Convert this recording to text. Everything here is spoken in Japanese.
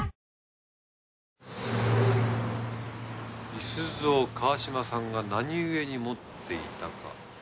五十鈴を川島さんが何故に持っていたか。